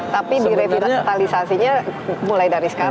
tapi direvitalisasinya mulai dari sekarang